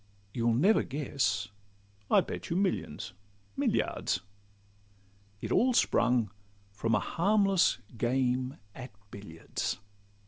You'll never guess, I'll bet you millions, milliards— It all sprung from a harmless game at billiards.